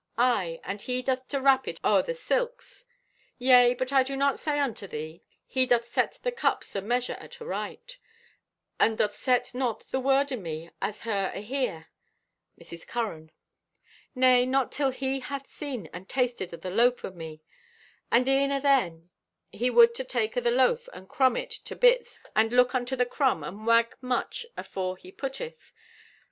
Aye, and he doth to wrap it o'er o' silks. Yea, but I do say unto thee, he doth set the cups o' measure at aright, and doth set not the word o' me as her ahere (Mrs. Curran). Nay, not till he hath seen and tasted o' the loaf o' me; and e'en athen he would to take o' the loaf and crumb o' it to bits and look unto the crumb and wag much afore he putteth.